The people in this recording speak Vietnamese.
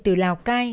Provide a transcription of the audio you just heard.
từ lào cai